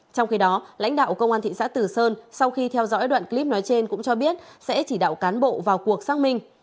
trong khi đó lãnh đạo công an thị xã tử sơn sau khi theo dõi đoạn clip nói trên cũng cho biết sẽ chỉ đạo cán bộ vào cuộc xác minh